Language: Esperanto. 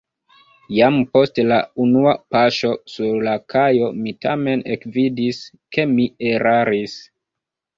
Jam post la unua paŝo sur la kajo mi tamen ekvidis, ke mi eraris.